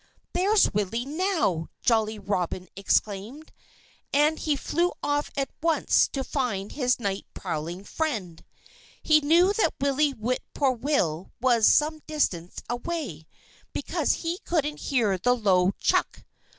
"There's Willie now!" Jolly Robin exclaimed. And he flew off at once to find his night prowling friend. He knew that Willie Whip poor will was some distance away, because he couldn't hear the low "_chuck!